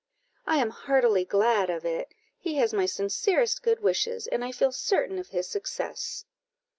"I am heartily glad of it he has my sincerest good wishes, and I feel certain of his success."